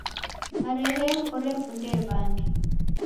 Marehemu orekundee w'andu.